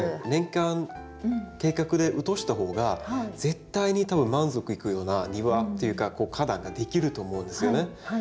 年間計画で落とした方が絶対に多分満足いくような庭っていうか花壇ができると思うんですよね。